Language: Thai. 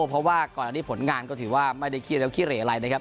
เพราะว่าก่อนใดนี้ผลงานก็ถือว่าไม่ไดุ้ะรอะไรนะครับ